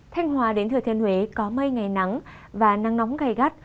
thanh hòa đến thừa thiên huế có mây ngày nắng và nắng nóng gai gắt